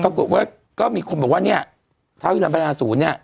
ปรากฏว่าก็มีคนบอกว่าเนี่ยท้าวิรัมพนาศูนย์เนี่ย